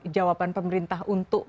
jawaban pemerintah untuk